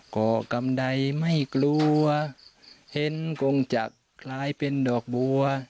ก่อกำไดไม่กลัวเห็นคงจะกลายเป็นดอกบัว